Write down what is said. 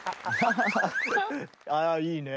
あいいね。